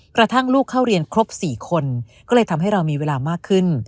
กระทั่งลูกเข้าเรียนครบ๔คนก็เลยทำให้เรามีเวลามากขึ้น